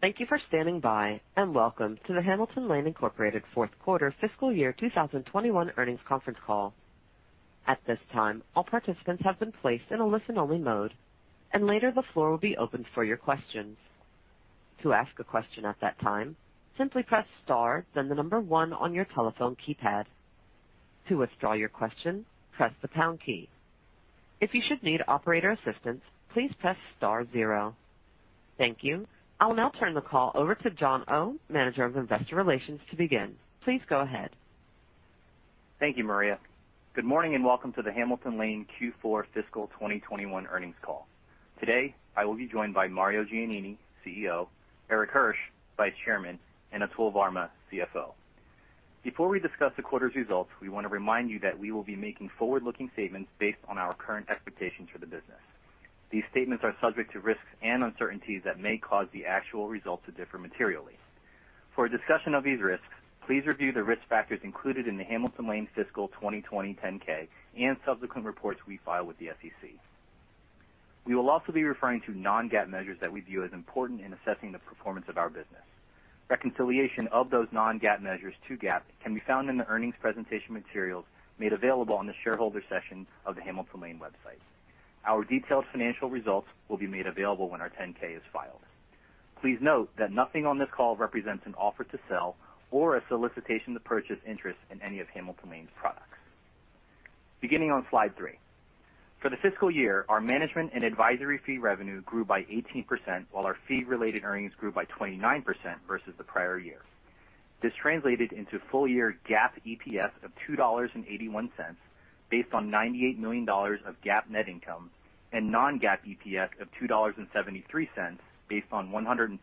Thank you for standing by. Welcome to the Hamilton Lane Incorporated fourth quarter fiscal year 2021 earnings conference call. At this time, all participants have been placed in a listen-only mode, and later the floor will be open for your questions. To ask a question at that time, simply press star, then the number one on your telephone keypad. To withdraw your question, press the pound key. If you should need operator assistance, please press zero. Thank you. I'll now turn the call over to John Oh, Manager of Investor Relations to begin. Please go ahead. Thank you, Maria. Good morning, welcome to the Hamilton Lane Q4 fiscal 2021 earnings call. Today, I will be joined by Mario Giannini, CEO, Erik Hirsch, Vice Chairman, and Atul Varma, CFO. Before we discuss the quarter's results, we want to remind you that we will be making forward-looking statements based on our current expectations for the business. These statements are subject to risks and uncertainties that may cause the actual results to differ materially. For a discussion of these risks, please review the risk factors included in the Hamilton Lane fiscal 2020 10-K, and subsequent reports we file with the SEC. We will also be referring to non-GAAP measures that we view as important in assessing the performance of our business. Reconciliation of those non-GAAP measures to GAAP can be found in the earnings presentation materials made available on the shareholder section of the Hamilton Lane website. Our detailed financial results will be made available when our 10-K is filed. Please note that nothing on this call represents an offer to sell or a solicitation to purchase interest in any of Hamilton Lane's products. Beginning on slide three. For the fiscal year, our management and advisory fee revenue grew by 18%, while our fee-related earnings grew by 29% versus the prior year. This translated into full-year GAAP EPS of $2.81, based on $98 million of GAAP net income, and non-GAAP EPS of $2.73, based on $146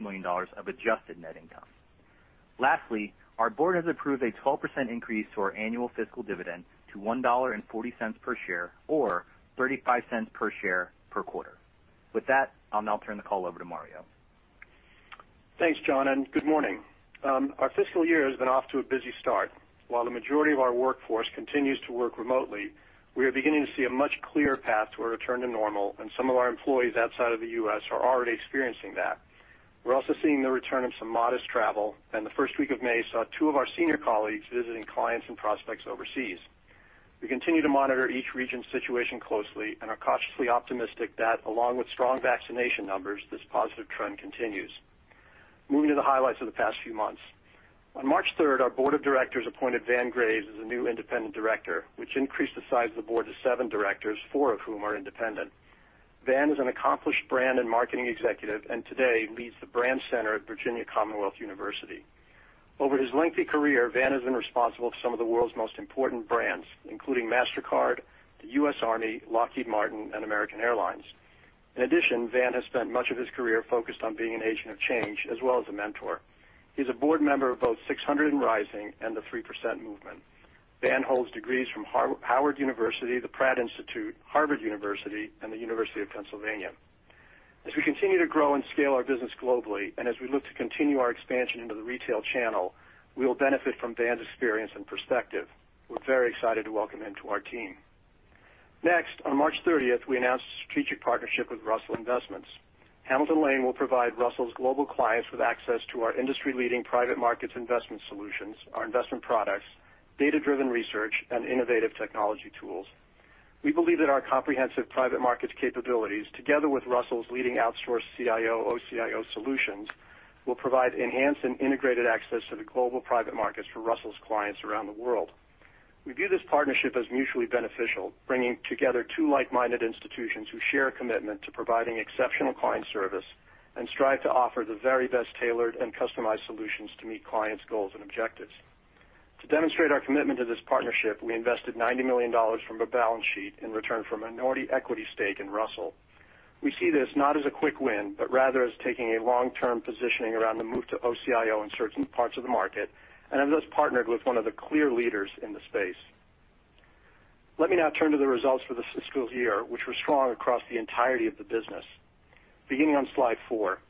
million of adjusted net income. Lastly, our board has approved a 12% increase to our annual fiscal dividend to $1.40 per share or $0.35 per share per quarter. With that, I'll now turn the call over to Mario. Thanks, John, and good morning. Our fiscal year has been off to a busy start. While the majority of our workforce continues to work remotely, we are beginning to see a much clearer path to a return to normal, and some of our employees outside of the U.S. are already experiencing that. We're also seeing the return of some modest travel, and the first week of May saw two of our senior colleagues visiting clients and prospects overseas. We continue to monitor each region's situation closely, and are cautiously optimistic that, along with strong vaccination numbers, this positive trend continues. Moving to the highlights of the past few months. On March 3rd, our board of directors appointed Vann Graves as a new independent director, which increased the size of the board to seven directors, four of whom are independent. Vann is an accomplished brand and marketing executive, and today leads the VCU Brandcenter at Virginia Commonwealth University. Over his lengthy career, Vann has been responsible for some of the world's most important brands, including Mastercard, the U.S. Army, Lockheed Martin, and American Airlines. In addition, Vann has spent much of his career focused on being an agent of change as well as a mentor. He's a board member of both 600 & Rising and The 3% Movement. Vann holds degrees from Howard University, the Pratt Institute, Harvard University, and the University of Pennsylvania. As we continue to grow and scale our business globally, and as we look to continue our expansion into the retail channel, we'll benefit from Vann's experience and perspective. We're very excited to welcome him to our team. Next, on March 30th, we announced a strategic partnership with Russell Investments. Hamilton Lane will provide Russell's global clients with access to our industry-leading private markets investment solutions, our investment products, data-driven research, and innovative technology tools. We believe that our comprehensive private markets capabilities, together with Russell's leading outsourced CIO/OCIO solutions, will provide enhanced and integrated access to the global private markets for Russell's clients around the world. We view this partnership as mutually beneficial, bringing together two like-minded institutions who share a commitment to providing exceptional client service, and strive to offer the very best tailored and customized solutions to meet clients' goals and objectives. To demonstrate our commitment to this partnership, we invested $90 million from the balance sheet in return for a minority equity stake in Russell. We see this not as a quick win, but rather as taking a long-term positioning around the move to OCIO in certain parts of the market, and have thus partnered with one of the clear leaders in the space. Let me now turn to the results for the fiscal year, which were strong across the entirety of the business. Beginning on slide four.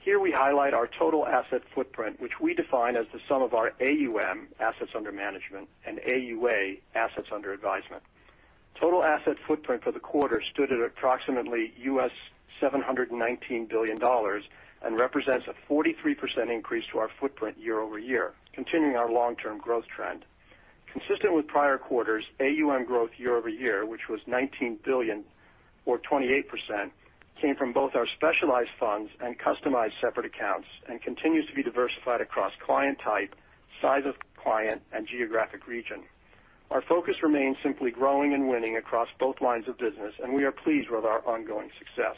Here we highlight our total asset footprint, which we define as the sum of our AUM, assets under management, and AUA, assets under advisement. Total asset footprint for the quarter stood at approximately US $719 billion, and represents a 43% increase to our footprint year-over-year, continuing our long-term growth trend. Consistent with prior quarters, AUM growth year-over-year, which was $19 billion or 28%, came from both our specialized funds and customized separate accounts, and continues to be diversified across client type, size of client, and geographic region. Our focus remains simply growing and winning across both lines of business, and we are pleased with our ongoing success.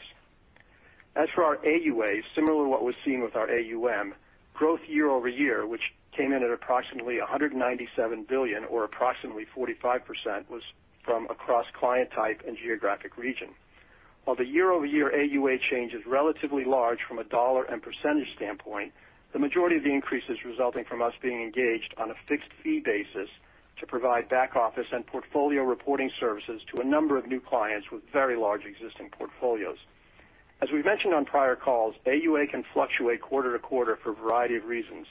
As for our AUA, similar to what was seen with our AUM, growth year-over-year, which came in at approximately $197 billion or approximately 45%, was from across client type and geographic region. While the year-over-year AUA change is relatively large from a dollar and percentage standpoint, the majority of the increase is resulting from us being engaged on a fixed fee basis to provide back office and portfolio reporting services to a number of new clients with very large existing portfolios. As we mentioned on prior calls, AUA can fluctuate quarter to quarter for a variety of reasons,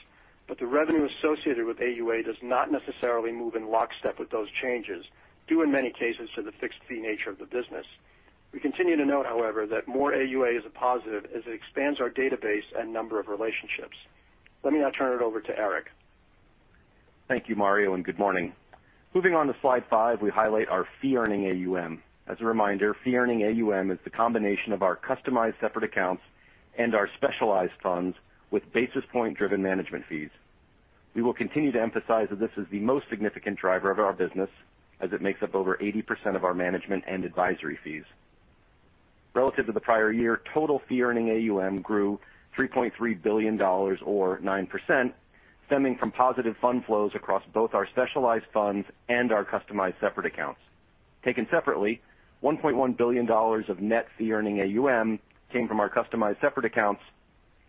but the revenue associated with AUA does not necessarily move in lockstep with those changes, due in many cases to the fixed fee nature of the business. We continue to note, however, that more AUA is a positive as it expands our database and number of relationships. Let me now turn it over to Erik. Thank you, Mario, and good morning. Moving on to slide five, we highlight our fee-earning AUM. As a reminder, fee-earning AUM is the combination of our customized separate accounts and our specialized funds with basis point-driven management fees. We will continue to emphasize that this is the most significant driver of our business as it makes up over 80% of our management and advisory fees. Relative to the prior year, total fee-earning AUM grew $3.3 billion or 9%, stemming from positive fund flows across both our specialized funds and our customized separate accounts. Taken separately, $1.1 billion of net fee-earning AUM came from our customized separate accounts,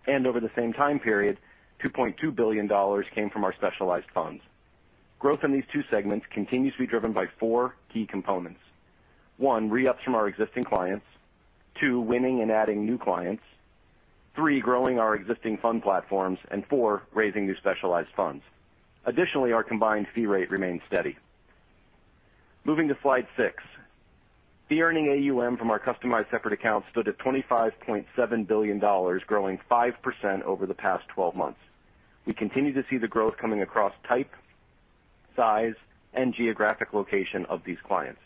and over the same time period, $2.2 billion came from our specialized funds. Growth in these two segments continues to be driven by four key components. One, re-ups from our existing clients. Two, winning and adding new clients. Three, growing our existing fund platforms, and four, raising new specialized funds. Additionally, our combined fee rate remains steady. Moving to slide six. Fee-earning AUM from our customized separate accounts stood at $25.7 billion, growing 5% over the past 12 months. We continue to see the growth coming across type, size, and geographic location of these clients.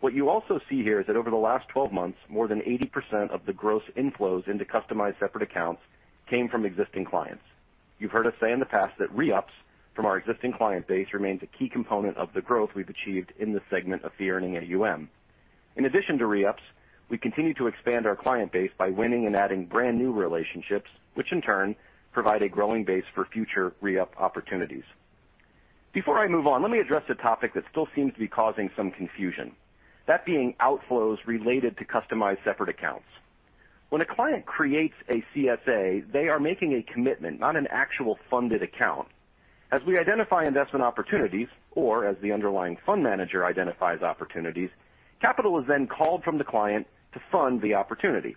What you also see here is that over the last 12 months, more than 80% of the gross inflows into customized separate accounts came from existing clients. You've heard us say in the past that re-ups from our existing client base remains a key component of the growth we've achieved in this segment of fee-earning AUM. In addition to re-ups, we continue to expand our client base by winning and adding brand-new relationships, which in turn provide a growing base for future re-up opportunities. Before I move on, let me address a topic that still seems to be causing some confusion, that being outflows related to customized separate accounts. When a client creates a CSA, they are making a commitment, not an actual funded account. As we identify investment opportunities, or as the underlying fund manager identifies opportunities, capital is then called from the client to fund the opportunity.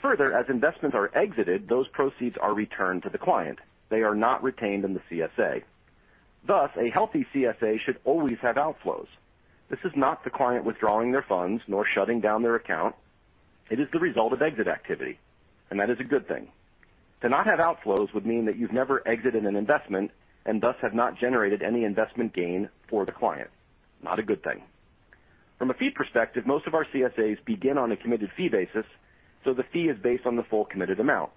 Further, as investments are exited, those proceeds are returned to the client. They are not retained in the CSA. Thus, a healthy CSA should always have outflows. This is not the client withdrawing their funds nor shutting down their account. It is the result of exit activity, and that is a good thing. To not have outflows would mean that you've never exited an investment and thus have not generated any investment gain for the client. Not a good thing. From a fee perspective, most of our CSAs begin on a committed fee basis, so the fee is based on the full committed amount.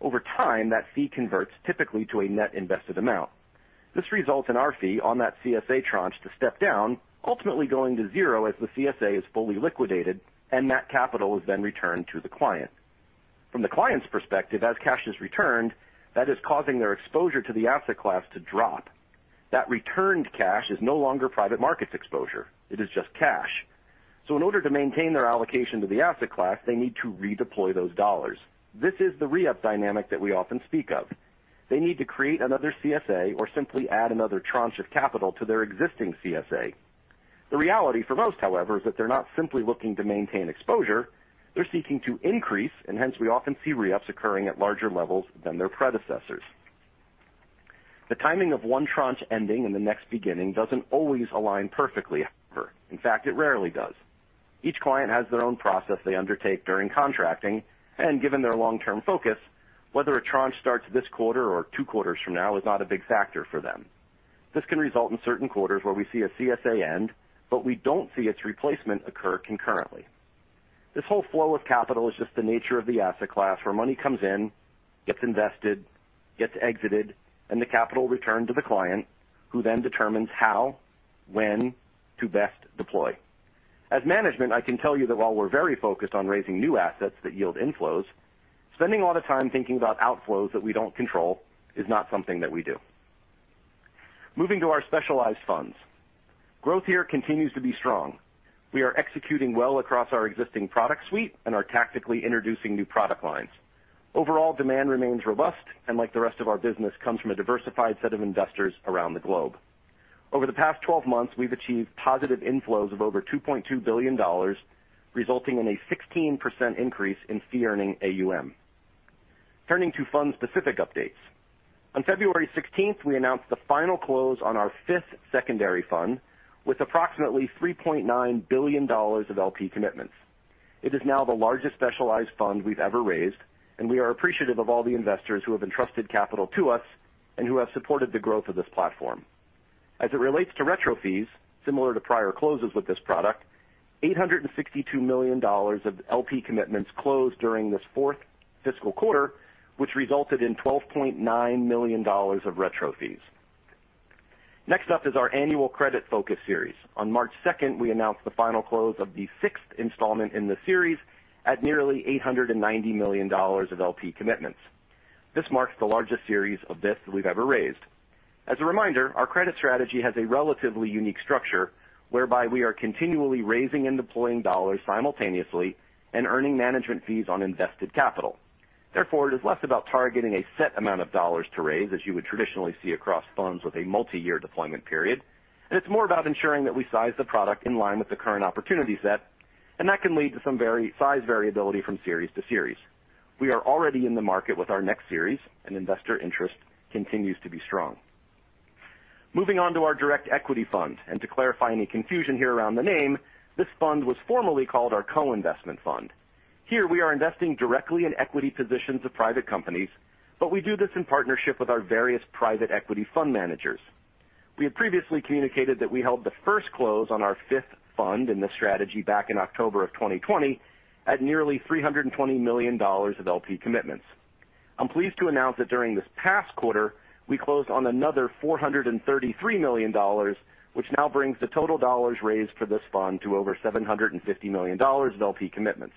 Over time, that fee converts typically to a net invested amount. This results in our fee on that CSA tranche to step down, ultimately going to zero as the CSA is fully liquidated and that capital is then returned to the client. From the client's perspective, as cash is returned, that is causing their exposure to the asset class to drop. That returned cash is no longer private markets exposure. It is just cash. In order to maintain their allocation to the asset class, they need to redeploy those dollars. This is the re-up dynamic that we often speak of. They need to create another CSA or simply add another tranche of capital to their existing CSA. The reality for most, however, is that they're not simply looking to maintain exposure, they're seeking to increase, hence we often see re-ups occurring at larger levels than their predecessors. The timing of one tranche ending and the next beginning doesn't always align perfectly. In fact, it rarely does. Each client has their own process they undertake during contracting, given their long-term focus, whether a tranche starts this quarter or two quarters from now is not a big factor for them. This can result in certain quarters where we see a CSA end, we don't see its replacement occur concurrently. This whole flow of capital is just the nature of the asset class, where money comes in, gets invested, gets exited, the capital returned to the client, who then determines how, when to best deploy. As management, I can tell you that while we're very focused on raising new assets that yield inflows, spending a lot of time thinking about outflows that we don't control is not something that we do. Moving to our specialized funds. Growth here continues to be strong. We are executing well across our existing product suite and are tactically introducing new product lines. Overall, demand remains robust, and like the rest of our business, comes from a diversified set of investors around the globe. Over the past 12 months, we've achieved positive inflows of over $2.2 billion, resulting in a 16% increase in fee-earning AUM. Turning to fund-specific updates. On February 16th, we announced the final close on our fifth secondary fund with approximately $3.9 billion of LP commitments. It is now the largest specialized fund we've ever raised, and we are appreciative of all the investors who have entrusted capital to us and who have supported the growth of this platform. As it relates to retro fees, similar to prior closes with this product, $862 million of LP commitments closed during this fourth fiscal quarter, which resulted in $12.9 million of retro fees. Next up is our annual credit focus series. On March 2nd, we announced the final close of the sixth installment in the series at nearly $890 million of LP commitments. This marks the largest series of this that we've ever raised. As a reminder, our credit strategy has a relatively unique structure whereby we are continually raising and deploying dollars simultaneously and earning management fees on invested capital. It is less about targeting a set amount of dollars to raise, as you would traditionally see across funds with a multi-year deployment period, and it's more about ensuring that we size the product in line with the current opportunity set, and that can lead to some size variability from series to series. We are already in the market with our next series, and investor interest continues to be strong. Moving on to our direct equity fund, and to clarify any confusion here around the name, this fund was formerly called our co-investment fund. Here we are investing directly in equity positions of private companies, but we do this in partnership with our various private equity fund managers. We have previously communicated that we held the first close on our fifth fund in this strategy back in October of 2020 at nearly $320 million of LP commitments. I'm pleased to announce that during this past quarter, we closed on another $433 million, which now brings the total dollars raised for this fund to over $750 million in LP commitments.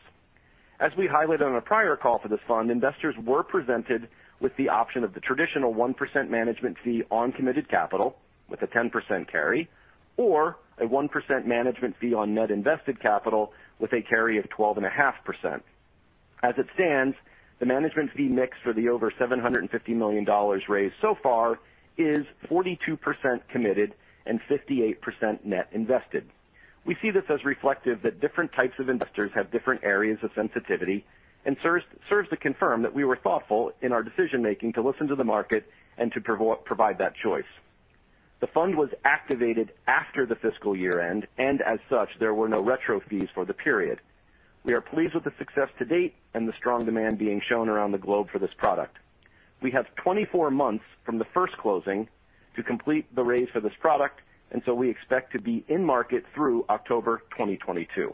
As we highlighted on a prior call for this fund, investors were presented with the option of the traditional 1% management fee on committed capital with a 10% carry, or a 1% management fee on net invested capital with a carry of 12.5%. As it stands, the management fee mix for the over $750 million raised so far is 42% committed and 58% net invested. We see this as reflective that different types of investors have different areas of sensitivity and serves to confirm that we were thoughtful in our decision-making to listen to the market and to provide that choice. The fund was activated after the fiscal year-end. As such, there were no retro fees for the period. We are pleased with the success to date and the strong demand being shown around the globe for this product. We have 24 months from the first closing to complete the raise for this product. We expect to be in market through October 2022.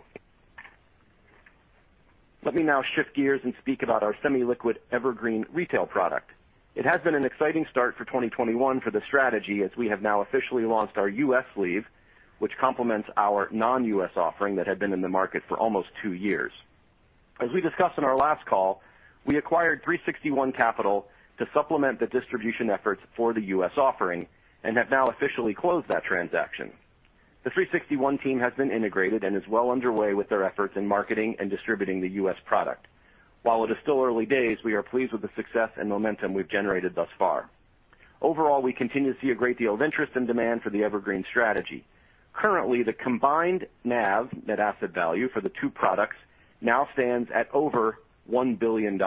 Let me now shift gears and speak about our semi-liquid Evergreen retail product. It has been an exciting start for 2021 for the strategy, as we have now officially launched our U.S. offering, which complements our non-U.S. offering that had been in the market for almost two years. As we discussed on our last call, we acquired 361 Capital to supplement the distribution efforts for the U.S. offering. We have now officially closed that transaction. The 361 team has been integrated and is well underway with their efforts in marketing and distributing the U.S. product. While it is still early days, we are pleased with the success and momentum we've generated thus far. Overall, we continue to see a great deal of interest and demand for the Evergreen strategy. Currently, the combined NAV, net asset value, for the two products now stands at over $1 billion.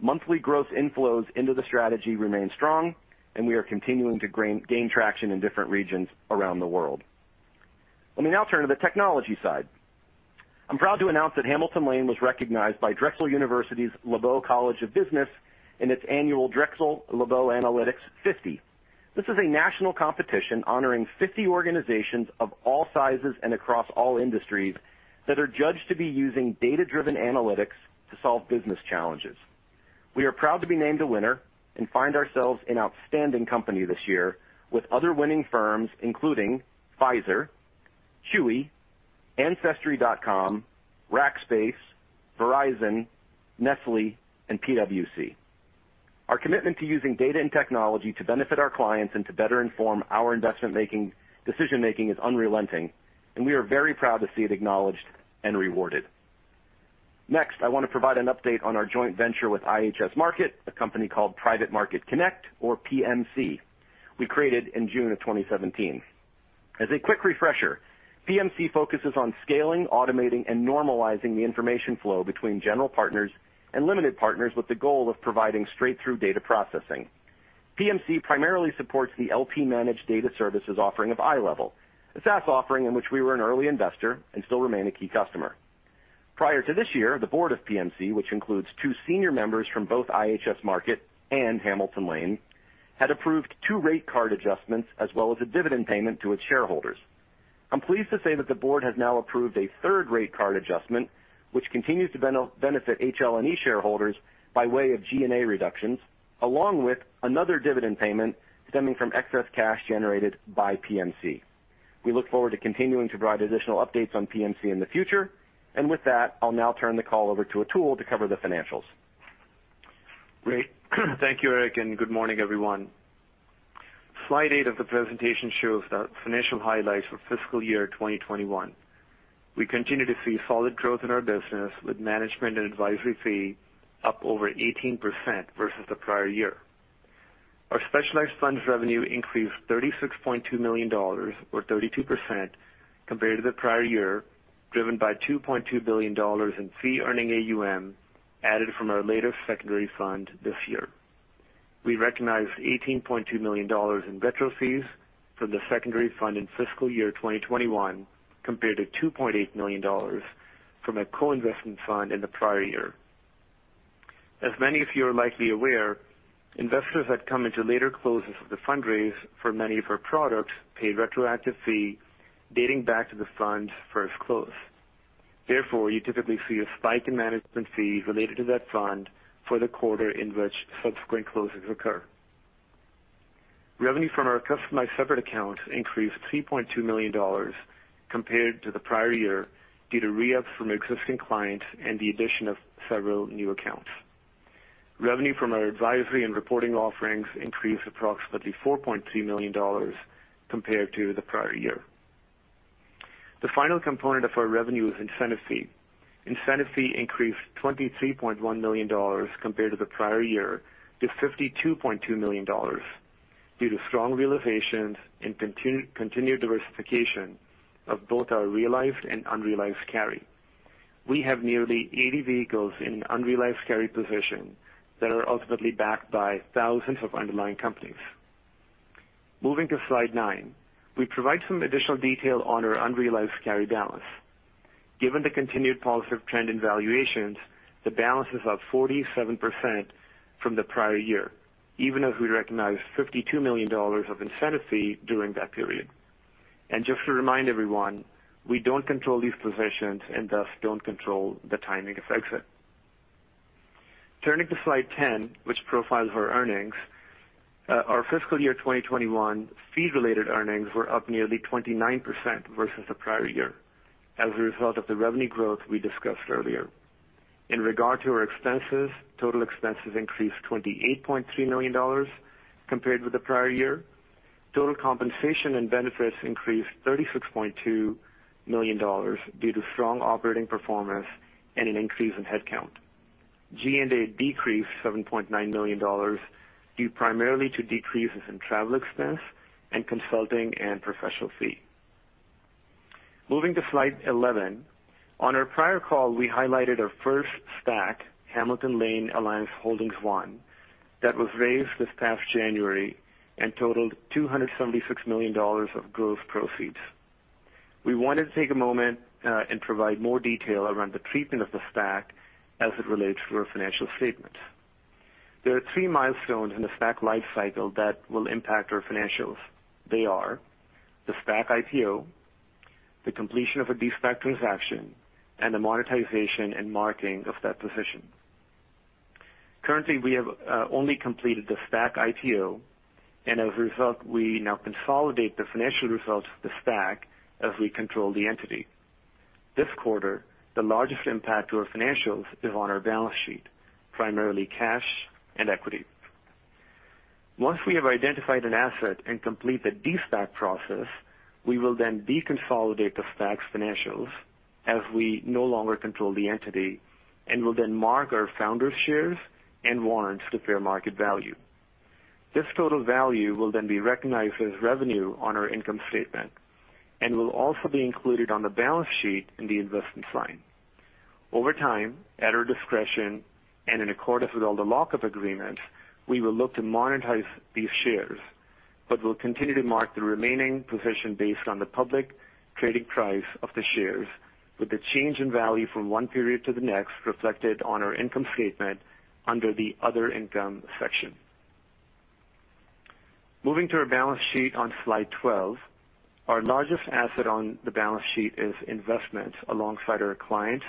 Monthly growth inflows into the strategy remain strong, and we are continuing to gain traction in different regions around the world. Let me now turn to the technology side. I'm proud to announce that Hamilton Lane was recognized by Drexel University's LeBow College of Business in its annual Drexel LeBow Analytics 50. This is a national competition honoring 50 organizations of all sizes and across all industries that are judged to be using data-driven analytics to solve business challenges. We are proud to be named a winner and find ourselves in outstanding company this year with other winning firms, including Pfizer, Chewy, Ancestry.com, Rackspace, Verizon, Nestlé, and PwC. Our commitment to using data and technology to benefit our clients and to better inform our investment decision-making is unrelenting, and we are very proud to see it acknowledged and rewarded. Next, I want to provide an update on our joint venture with IHS Markit, a company called Private Market Connect, or PMC. We created in June of 2017. As a quick refresher, PMC focuses on scaling, automating, and normalizing the information flow between general partners and limited partners with the goal of providing straight-through data processing. PMC primarily supports the LP managed data services offering of iLEVEL, a SaaS offering in which we were an early investor and still remain a key customer. Prior to this year, the board of PMC, which includes two senior members from both IHS Markit and Hamilton Lane, had approved two rate card adjustments as well as a dividend payment to its shareholders. I'm pleased to say that the board has now approved a third rate card adjustment, which continues to benefit HLNE shareholders by way of G&A reductions, along with another dividend payment stemming from excess cash generated by PMC. We look forward to continuing to provide additional updates on PMC in the future. With that, I'll now turn the call over to Atul to cover the financials. Great. Thank you, Erik, good morning, everyone. Slide eight of the presentation shows the financial highlights for fiscal year 2021. We continue to see solid growth in our business with management and advisory fee up over 18% versus the prior year. Our specialized funds revenue increased $36.2 million or 32% compared to the prior year, driven by $2.2 billion in fee-earning AUM added from our latest secondary fund this year. We recognized $18.2 million in retro fees from the secondary fund in fiscal year 2021 compared to $2.8 million from a co-investment fund in the prior year. As many of you are likely aware, investors that come into later closes of the fundraise for many of our products pay retroactive fee dating back to the fund's first close. Therefore, you typically see a spike in management fees related to that fund for the quarter in which subsequent closes occur. Revenue from our customized separate accounts increased $3.2 million compared to the prior year due to re-ups from existing clients and the addition of several new accounts. Revenue from our advisory and reporting offerings increased approximately $4.3 million compared to the prior year. The final component of our revenue is incentive fee. Incentive fee increased $23.1 million compared to the prior year to $52.2 million due to strong realizations and continued diversification of both our realized and unrealized carry. We have nearly 80 vehicles in unrealized carry position that are ultimately backed by thousands of underlying companies. Moving to slide nine. We provide some additional detail on our unrealized carry balance. Given the continued positive trend in valuations, the balance is up 47% from the prior year, even as we recognized $52 million of incentive fee during that period. Just to remind everyone, we don't control these positions, and thus don't control the timing of exit. Turning to slide 10, which profiles our earnings. Our fiscal year 2021 fee-related earnings were up nearly 29% versus the prior year as a result of the revenue growth we discussed earlier. In regard to our expenses, total expenses increased $28.3 million compared with the prior year. Total compensation and benefits increased $36.2 million due to strong operating performance and an increase in headcount. G&A decreased $7.9 million due primarily to decreases in travel expense and consulting and professional fee. Moving to slide 11. On our prior call, we highlighted our first SPAC, Hamilton Lane Alliance Holdings I, that was raised this past January and totaled $276 million of gross proceeds. We wanted to take a moment, and provide more detail around the treatment of the SPAC as it relates to our financial statement. There are three milestones in the SPAC life cycle that will impact our financials. They are the SPAC IPO, the completion of a de-SPAC transaction, and the monetization and marking of that position. Currently, we have only completed the SPAC IPO, and as a result, we now consolidate the financial results of the SPAC as we control the entity. This quarter, the largest impact to our financials is on our balance sheet, primarily cash and equity. Once we have identified an asset and complete the de-SPAC process, we will then de-consolidate the SPAC's financials as we no longer control the entity and will then mark our founders' shares and warrants to fair market value. This total value will then be recognized as revenue on our income statement and will also be included on the balance sheet in the investment line. Over time, at our discretion, and in accordance with all the lock-up agreements, we will look to monetize these shares, but we'll continue to mark the remaining position based on the public trading price of the shares with the change in value from one period to the next reflected on our income statement under the other income section. Moving to our balance sheet on slide 12. Our largest asset on the balance sheet is investment alongside our clients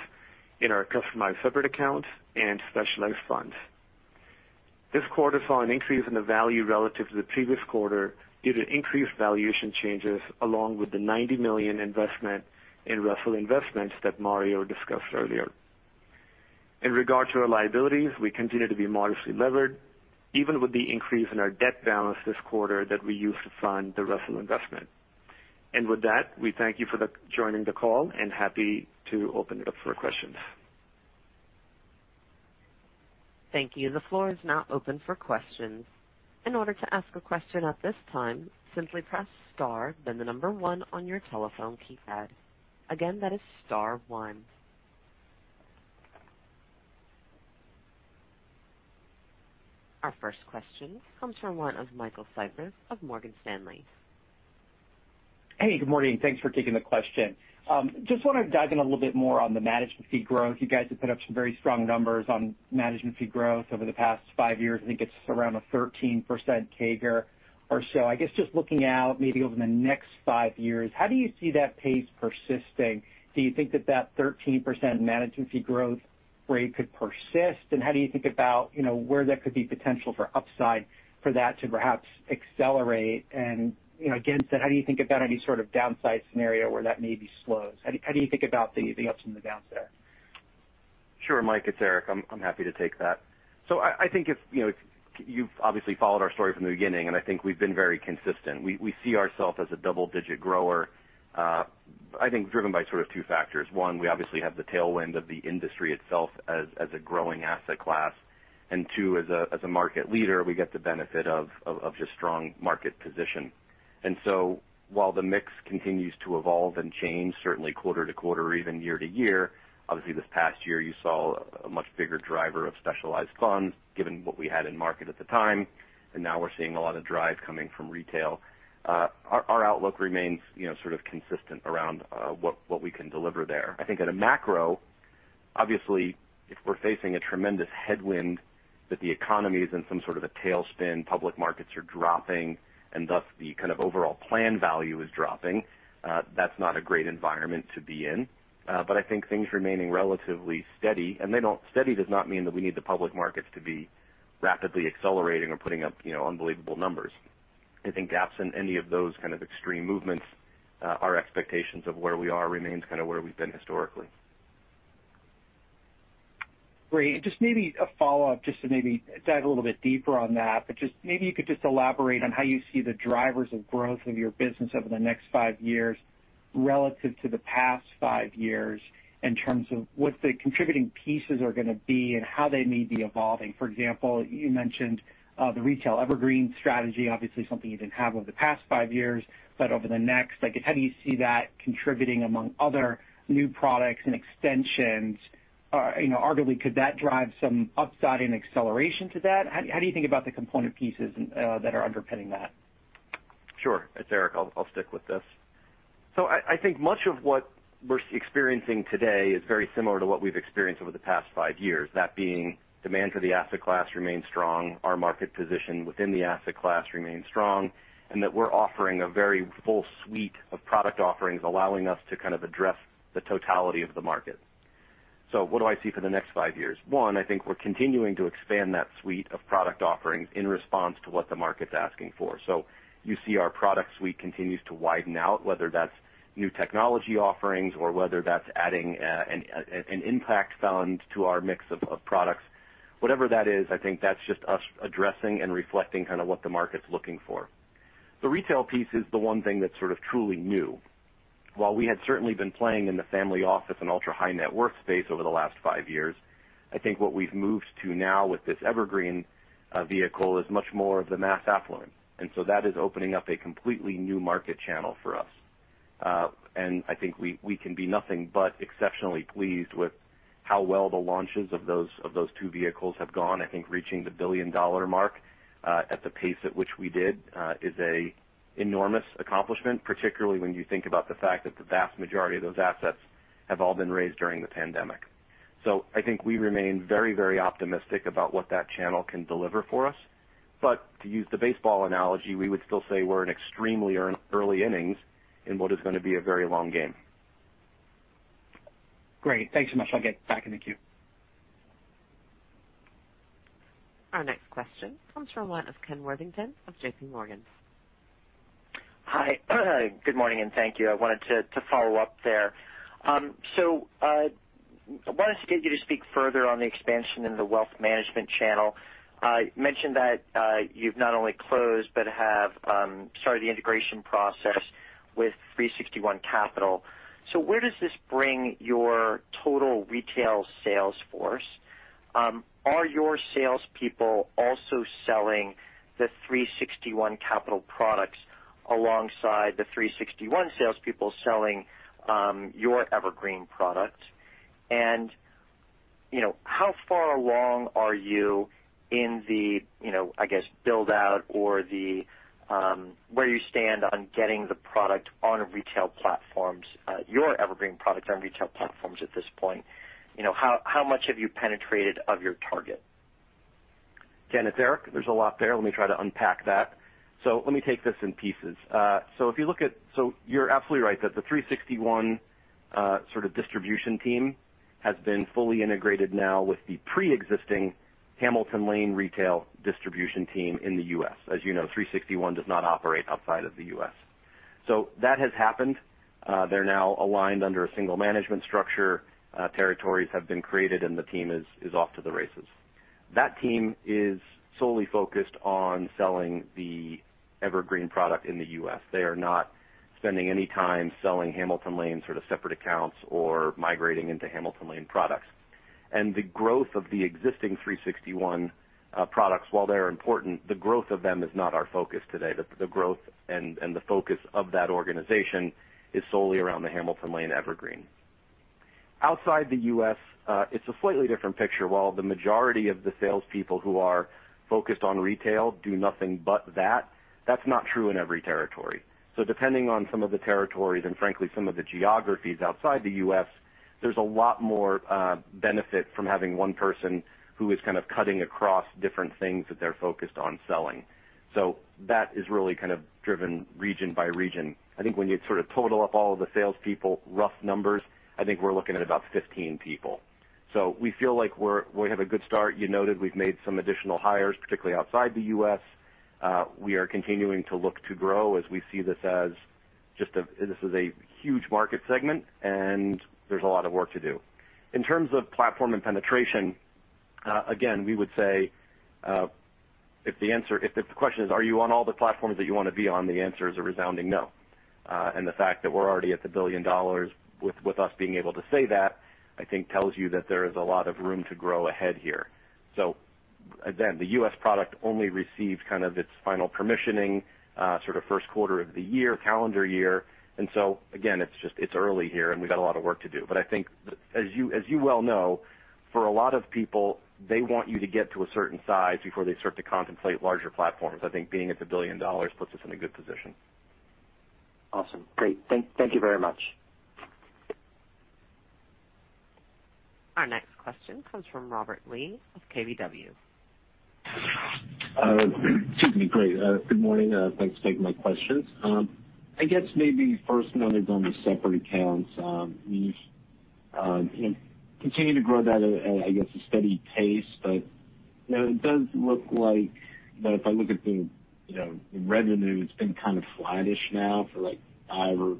in our customized separate accounts and specialized funds. This quarter saw an increase in the value relative to the previous quarter due to increased valuation changes, along with the $90 million investment in Russell Investments that Mario discussed earlier. In regard to our liabilities, we continue to be modestly levered, even with the increase in our debt balance this quarter that we used to fund the Russell investment. With that, we thank you for joining the call and happy to open it up for questions. Thank you. The floor is now open for questions. In order to ask a question at this time, simply press star, then the number one on your telephone keypad. Again, that is star one. Our first question comes from one of Michael Cyprys of Morgan Stanley. Hey. Good morning. Thanks for taking the question. Just want to dive in a little bit more on the management fee growth. You guys have put up some very strong numbers on management fee growth over the past five years. I think it's around a 13% CAGR or so. I guess just looking out maybe over the next five years, how do you see that pace persisting? Do you think that that 13% management fee growth rate could persist, and how do you think about where there could be potential for upside for that to perhaps accelerate and, again, how do you think about any sort of downside scenario where that maybe slows? How do you think about the ups and the downs there? Sure, Michael, it's Erik. I'm happy to take that. I think you've obviously followed our story from the beginning, and I think we've been very consistent. We see ourselves as a double-digit grower, I think driven by sort of two factors. One, we obviously have the tailwind of the industry itself as a growing asset class, and two, as a market leader, we get the benefit of just strong market position. While the mix continues to evolve and change, certainly quarter to quarter or even year to year, obviously this past year, you saw a much bigger driver of specialized funds given what we had in market at the time, and now we're seeing a lot of drive coming from retail. Our outlook remains consistent around what we can deliver there. I think at a macro, obviously, if we're facing a tremendous headwind, that the economy is in some sort of a tailspin, public markets are dropping, and thus the kind of overall plan value is dropping. That's not a great environment to be in. I think things remaining relatively steady, and steady does not mean that we need the public markets to be rapidly accelerating or putting up unbelievable numbers. I think absent any of those kind of extreme movements, our expectations of where we are remains kind of where we've been historically. Great. Just maybe a follow-up just to maybe dive a little bit deeper on that, but just maybe you could just elaborate on how you see the drivers of growth of your business over the next five years relative to the past five years in terms of what the contributing pieces are going to be and how they may be evolving. For example, you mentioned the retail Evergreen strategy, obviously something you didn't have over the past five years, but over the next, how do you see that contributing, among other new products and extensions arguably, could that drive some upside in acceleration to that? How do you think about the component pieces that are underpinning that? Sure. It's Erik. I'll stick with this. I think much of what we're experiencing today is very similar to what we've experienced over the past five years. That being, demand for the asset class remains strong, our market position within the asset class remains strong, and that we're offering a very full suite of product offerings, allowing us to address the totality of the market. What do I see for the next five years? One, I think we're continuing to expand that suite of product offerings in response to what the market's asking for. You see our product suite continues to widen out, whether that's new technology offerings or whether that's adding an impact fund to our mix of products. Whatever that is, I think that's just us addressing and reflecting what the market's looking for. The retail piece is the one thing that's truly new. While we had certainly been playing in the family office and ultra-high net worth space over the last five years, I think what we've moved to now with this Evergreen vehicle is much more of the mass affluent. That is opening up a completely new market channel for us. I think we can be nothing but exceptionally pleased with how well the launches of those two vehicles have gone. I think reaching the billion-dollar mark at the pace at which we did is an enormous accomplishment, particularly when you think about the fact that the vast majority of those assets have all been raised during the pandemic. I think we remain very optimistic about what that channel can deliver for us. To use the baseball analogy, we would still say we're in extremely early innings in what is going to be a very long game. Great. Thanks so much. I'll get back in the queue. Our next question comes from the line of Kenneth Worthington of JPMorgan. Hi. Good morning, and thank you. I wanted to follow up there. I wanted to get you to speak further on the expansion in the wealth management channel. You mentioned that you've not only closed but have started the integration process with 361 Capital. Where does this bring your total retail sales force? Are your salespeople also selling the 361 Capital products alongside the 361 salespeople selling your Evergreen products? How far along are you in the build-out or where you stand on getting the product on retail platforms, your Evergreen product on retail platforms at this point? How much have you penetrated of your target? Kenneth, it's Erik. There's a lot there. Let me try to unpack that. Let me take this in pieces. You're absolutely right that the 361 distribution team has been fully integrated now with the preexisting Hamilton Lane retail distribution team in the U.S. As you know, 361 does not operate outside of the U.S. That has happened. They're now aligned under a single management structure. Territories have been created, and the team is off to the races. That team is solely focused on selling the Evergreen product in the U.S. They are not spending any time selling Hamilton Lane separate accounts or migrating into Hamilton Lane products. The growth of the existing 361 products, while they are important, the growth of them is not our focus today. The growth and the focus of that organization is solely around the Hamilton Lane Evergreen. Outside the U.S., it's a slightly different picture. While the majority of the salespeople who are focused on retail do nothing but that's not true in every territory. Depending on some of the territories and frankly, some of the geographies outside the U.S., there's a lot more benefit from having one person who is cutting across different things that they're focused on selling. That is really driven region by region. I think when you total up all of the salespeople, rough numbers, I think we're looking at about 15 people. We feel like we have a good start. You noted we've made some additional hires, particularly outside the U.S. We are continuing to look to grow as we see this as a huge market segment, and there's a lot of work to do. In terms of platform and penetration, we would say if the question is, are you on all the platforms that you want to be on? The answer is a resounding no. The fact that we're already at the $1 billion with us being able to say that, I think tells you that there is a lot of room to grow ahead here. Again, the U.S. product only received its final permissioning first quarter of the year, calendar year. Again, it's early here, and we've got a lot of work to do. I think as you well know, for a lot of people, they want you to get to a certain size before they start to contemplate larger platforms. I think being at the $1 billion puts us in a good position. Awesome. Great. Thank you very much. Our next question comes from Robert Lee of KBW. Excuse me. Great. Good morning. Thanks for taking my questions. I guess maybe first noted on the separate accounts. You continue to grow that at, I guess, a steady pace, but it does look like that if I look at the revenue, it's been kind of flattish now for five or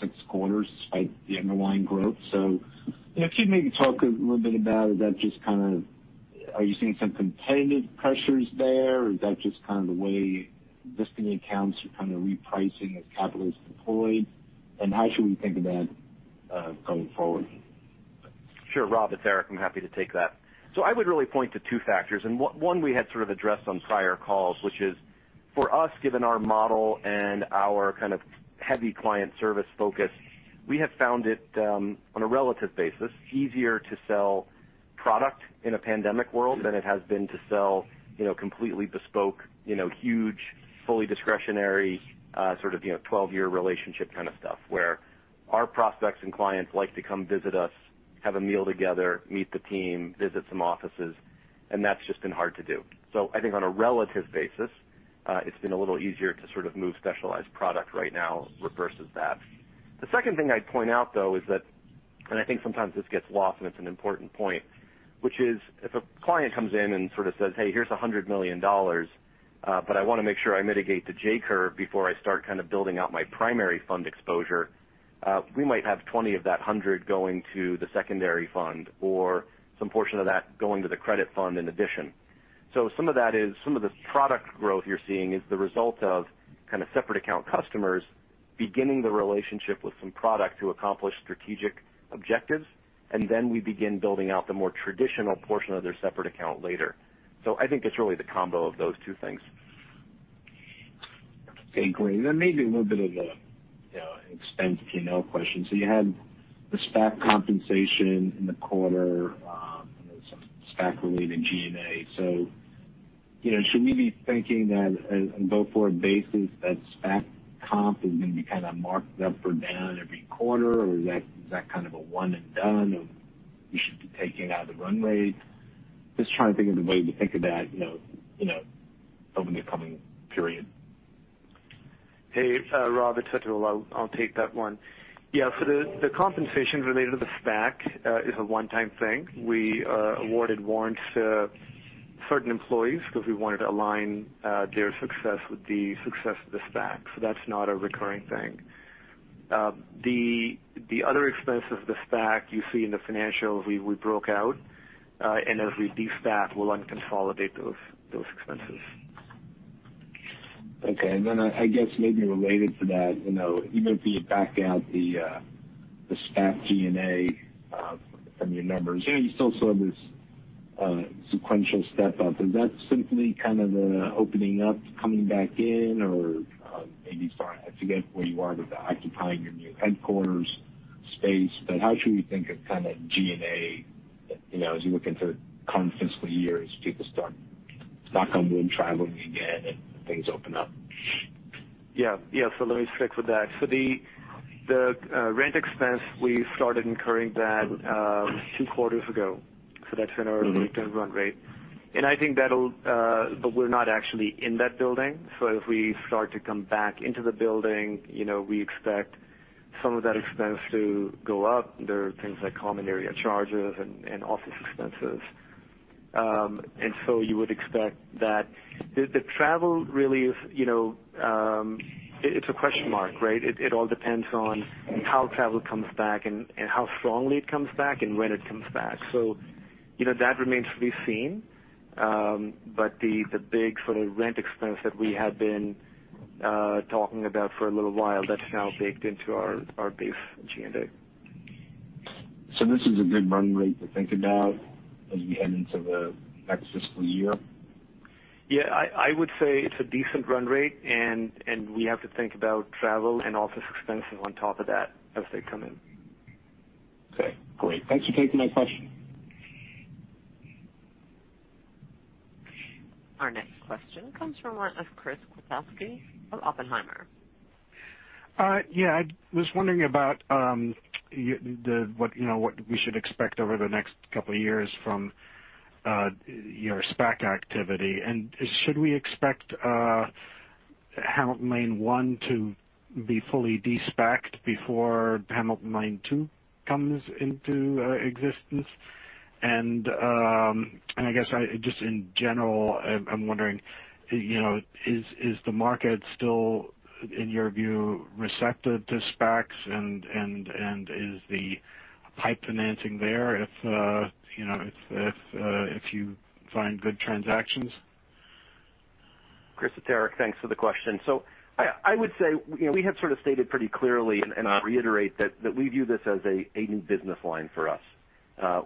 six quarters despite the underlying growth. Could you maybe talk a little bit about that? Are you seeing some competitive pressures there, or is that just the way existing accounts are repricing as capital is deployed? How should we think of that going forward? Sure, Rob, it's Erik. I'm happy to take that. I would really point to two factors, and one we had sort of addressed on prior calls, which is. For us, given our model and our heavy client service focus, we have found it, on a relative basis, easier to sell product in a pandemic world than it has been to sell completely bespoke, huge, fully discretionary, 12-year relationship kind of stuff, where our prospects and clients like to come visit us, have a meal together, meet the team, visit some offices, and that's just been hard to do. I think on a relative basis, it's been a little easier to move specialized product right now versus that. The second thing I'd point out, though, is that, and I think sometimes this gets lost and it's an important point, which is if a client comes in and says, "Hey, here's $100 million, but I want to make sure I mitigate the J curve before I start building out my primary fund exposure," we might have $20 of that $100 going to the secondary fund or some portion of that going to the credit fund in addition. Some of this product growth you're seeing is the result of separate account customers beginning the relationship with some product to accomplish strategic objectives, and then we begin building out the more traditional portion of their separate account later. I think it's really the combo of those two things. Great. Maybe a little bit of an expense P&L question. You had the SPAC compensation in the quarter, and there is some SPAC related G&A. Should we be thinking that on a go-forward basis that SPAC comp is going to be marked up or down every quarter, or is that a one and done, or we should be taking it out of the run rate? Just trying to think of the way to think of that over the coming period. Hey, Rob, it's Atul Varma. I'll take that one. Yeah. The compensation related to the SPAC is a one-time thing. We awarded warrants to certain employees because we wanted to align their success with the success of the SPAC. That's not a recurring thing. The other expense of the SPAC you see in the financials, we broke out, and as we de-SPAC, we'll unconsolidate those expenses. Okay. I guess maybe related to that, even if you back out the SPAC G&A from your numbers, you still saw this sequential step-up. Is that simply the opening up, coming back in, or maybe starting-- I forget where you are with the occupying your new headquarters space, but how should we think of G&A, as you look into current fiscal year as people start traveling again and things open up? Let me stick with that. The rent expense, we started incurring that two quarters ago. That's in our run rate. We're not actually in that building. As we start to come back into the building, we expect some of that expense to go up. There are things like common area charges and office expenses. You would expect that. The travel really is a question mark, right? It all depends on how travel comes back and how strongly it comes back and when it comes back. That remains to be seen. The big rent expense that we have been talking about for a little while, that's now baked into our base G&A. This is a good run rate to think about as we head into the next fiscal year? Yeah, I would say it's a decent run rate, and we have to think about travel and office expenses on top of that as they come in. Okay, great. Thanks for taking my question. Our next question comes from the line of Chris Kotowski from Oppenheimer. Yeah. I was wondering about what we should expect over the next couple of years from your SPAC activity. Should we expect Hamilton Lane One to be fully de-SPACed before Hamilton Lane Two comes into existence? I guess just in general, I'm wondering, is the market still, in your view, receptive to SPACs, and is the PIPE financing there if you find good transactions? Chris, it's Erik. Thanks for the question. I would say we have stated pretty clearly, and I reiterate that we view this as a new business line for us.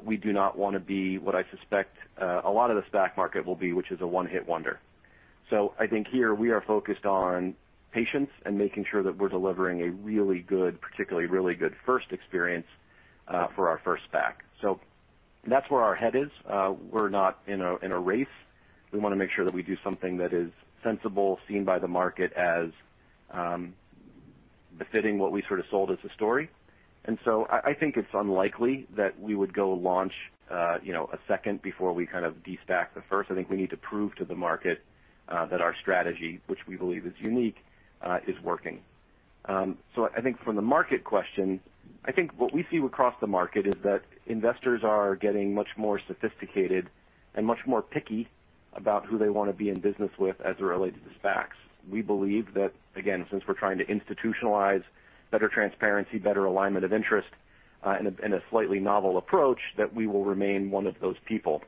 We do not want to be what I suspect a lot of the SPAC market will be, which is a one-hit wonder. I think here we are focused on patience and making sure that we're delivering a really good, particularly really good first experience for our first SPAC. That's where our head is. We're not in a race. We want to make sure that we do something that is sensible, seen by the market as befitting what we sold as a story. I think it's unlikely that we would go launch a second before we de-SPAC the first. I think we need to prove to the market that our strategy, which we believe is unique, is working. I think from the market question, I think what we see across the market is that investors are getting much more sophisticated and much more picky about who they want to be in business with as it relates to SPACs. We believe that, again, since we're trying to institutionalize better transparency, better alignment of interest, and a slightly novel approach, that we will remain one of those people.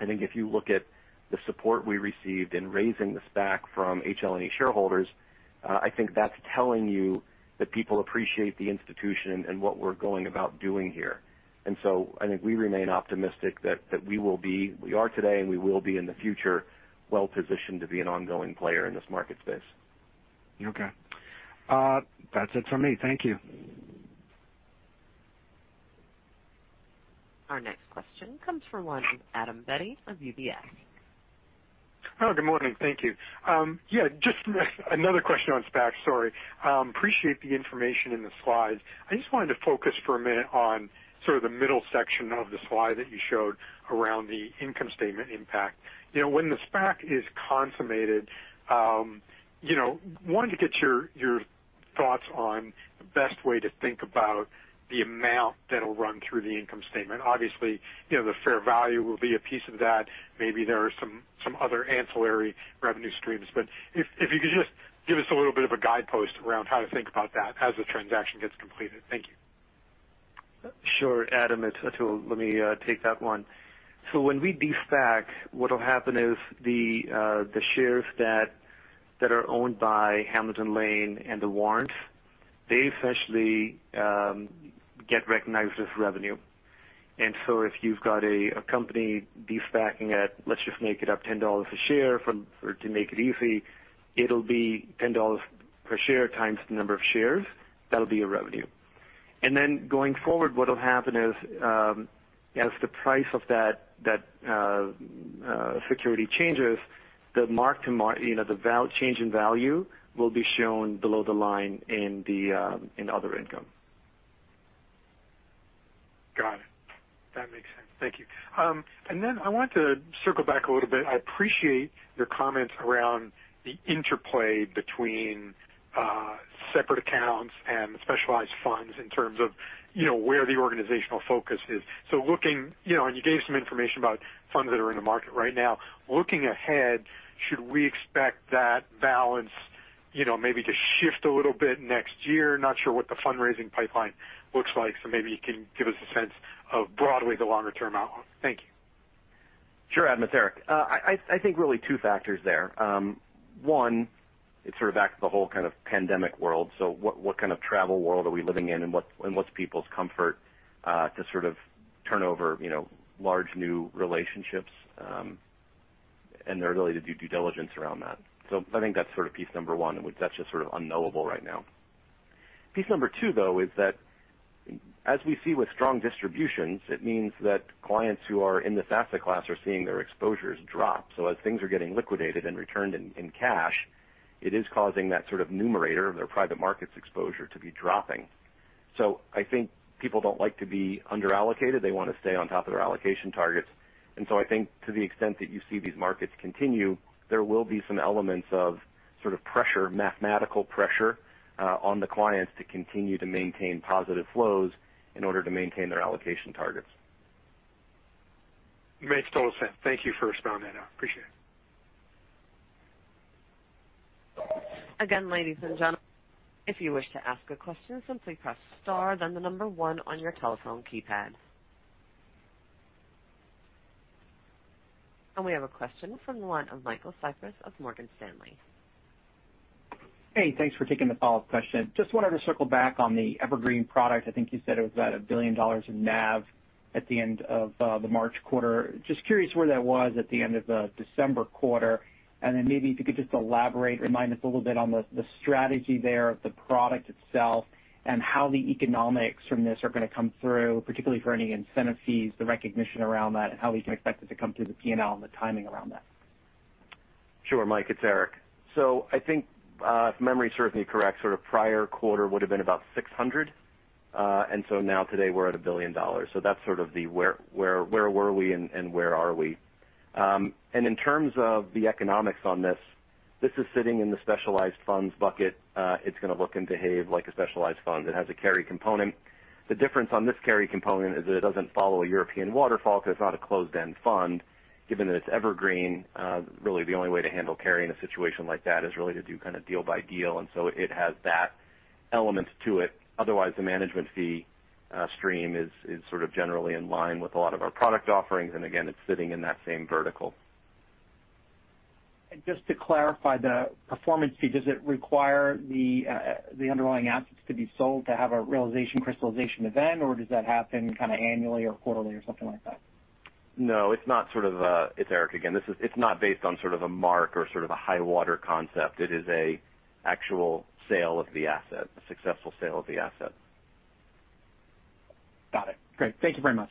I think if you look at the support we received in raising the SPAC from HLNE shareholders, I think that's telling you that people appreciate the institution and what we're going about doing here. I think we remain optimistic that we are today and we will be in the future well-positioned to be an ongoing player in this market space. Okay. That's it from me. Thank you. Our next question comes from the line of Adam Beatty of UBS. Hello, good morning. Thank you. Yeah, just another question on SPAC. Sorry. Appreciate the information in the slides. I just wanted to focus for a minute on the middle section of the slide that you showed around the income statement impact. When the SPAC is consummated, one, to get your thoughts on the best way to think about the amount that'll run through the income statement. Obviously, the fair value will be a piece of that. Maybe there are some other ancillary revenue streams. If you could just give us a little bit of a guide post around how to think about that as the transaction gets completed. Thank you. Sure, Adam. It's Atul. Let me take that one. When we de-SPAC, what'll happen is the shares that are owned by Hamilton Lane and the warrants, they essentially get recognized as revenue. If you've got a company de-SPACing at, let's just make it up, $10 a share to make it easy, it'll be $10 per share times the number of shares. That'll be your revenue. Going forward, what'll happen is, as the price of that security changes, the change in value will be shown below the line in the other income. Got it. That makes sense. Thank you. I wanted to circle back a little bit. I appreciate your comments around the interplay between separate accounts and specialized funds in terms of where the organizational focus is. You gave some information about funds that are in the market right now. Looking ahead, should we expect that balance maybe to shift a little bit next year? Not sure what the fundraising pipeline looks like, so maybe you can give us a sense of broadly the longer-term outlook. Thank you. Sure, Adam. It's Erik. I think really two factors there. What kind of travel world are we living in, and what's people's comfort to turn over large new relationships, and their ability to do due diligence around that. I think that's piece number one, and that's just sort of unknowable right now. Piece number two, though, is that as we see with strong distributions, it means that clients who are in the asset class are seeing their exposures drop. As things are getting liquidated and returned in cash, it is causing that sort of numerator of their private markets exposure to be dropping. I think people don't like to be under-allocated. They want to stay on top of their allocation targets. I think to the extent that you see these markets continue, there will be some elements of pressure, mathematical pressure, on the clients to continue to maintain positive flows in order to maintain their allocation targets. Makes total sense. Thank you for expanding that out. Appreciate it. Again, ladies and gentlemen, if you wish to ask a question, simply press star then the number one on your telephone keypad. We have a question from the line of Michael Cyprys of Morgan Stanley. Hey, thanks for taking the follow-up question. Just wanted to circle back on the Evergreen product. I think you said it was at $1 billion in NAV at the end of the March quarter. Just curious where that was at the end of the December quarter, and then maybe if you could just elaborate, remind us a little bit on the strategy there of the product itself and how the economics from this are going to come through, particularly for any incentive fees, the recognition around that, and how we can expect it to come through the P&L and the timing around that. Sure, Mike, it's Erik. I think, if memory serves me correct, prior quarter would've been about $600, and so now today we're at $1 billion. That's the where were we and where are we. In terms of the economics on this is sitting in the specialized funds bucket. It's going to look and behave like a specialized fund. It has a carry component. The difference on this carry component is that it doesn't follow a European waterfall because it's not a closed-end fund. Given that it's Evergreen, really the only way to handle carry in a situation like that is really to do deal by deal, and so it has that element to it. Otherwise, the management fee stream is generally in line with a lot of our product offerings, and again, it's sitting in that same vertical. Just to clarify the performance fee, does it require the underlying assets to be sold to have a realization crystallization event, or does that happen annually or quarterly or something like that? No. It's Erik again. It's not based on a mark or a high water concept. It is an actual sale of the asset, a successful sale of the asset. Got it. Great. Thank you very much.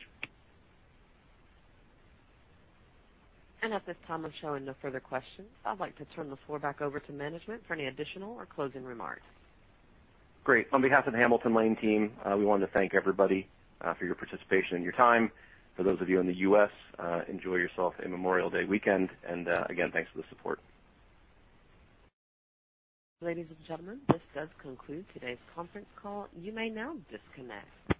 At this time, I'm showing no further questions. I'd like to turn the floor back over to management for any additional or closing remarks. Great. On behalf of the Hamilton Lane team, we wanted to thank everybody for your participation and your time. For those of you in the U.S., enjoy yourself in Memorial Day Weekend. Again, thanks for the support. Ladies and gentlemen, this does conclude today's conference call. You may now disconnect.